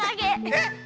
えっ？